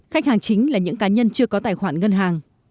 khách hàng chính là những cá nhân chưa có tài khoản ngân hàng